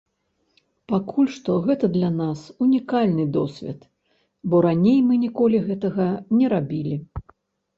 Пакуль што гэта для нас унікальны досвед, бо раней мы ніколі гэтага не рабілі.